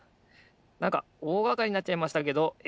なんかおおがかりになっちゃいましたけどえ